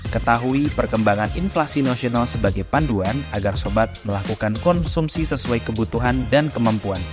ketahui perkembangan inflasi nasional sebagai panduan agar sobat melakukan konsumsi sesuai kebutuhan dan kemampuan